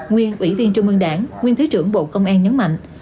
nguyên ủy viên trung ương đảng nguyên thứ trưởng bộ công an nhấn mạnh